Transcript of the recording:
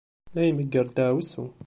La imegger ddaɛwessu.